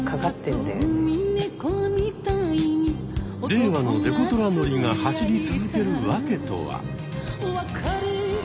令和のデコトラ乗りが走り続ける訳とは？